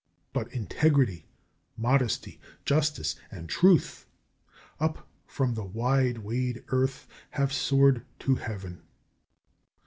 But integrity, modesty, justice, and truth, Up from the wide wayed earth have soared to heaven.